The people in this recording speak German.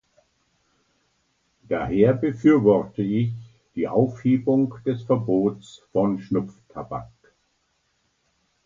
Daher befürworte ich die Aufhebung des Verbots von Schnupftabak.